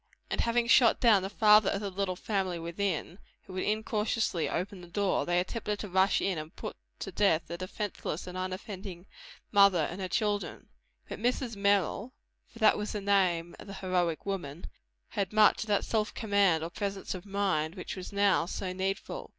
and having shot down the father of the little family within, who had incautiously opened the door, they attempted to rush in and put to death the defenceless and unoffending mother and her children. But Mrs. Merrill for that was the name of the heroic woman had much of that self command, or presence of mind, which was now so needful.